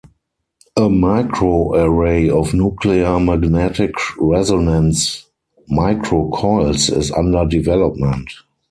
A microarray of nuclear magnetic resonance microcoils is under development.